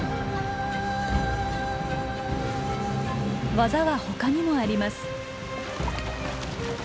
技は他にもあります。